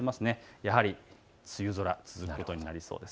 やはり梅雨空が続くことになりそうです。